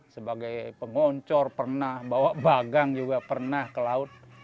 sebagai pengoncor pernah bawa bagang juga pernah ke laut